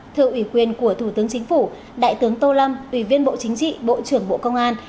thưa ủy quyền của thủ tướng chính phủ đại tướng tô lâm ủy viên bộ chính trị bộ trưởng bộ công an